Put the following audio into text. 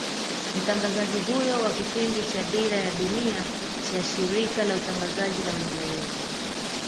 Mtangazaji huyo wa kipindi cha Dira ya Dunia cha Shirika la Utangazaji la Uingereza